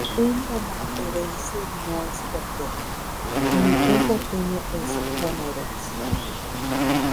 Un bonaerense no es porteño, ni un porteño es bonaerense.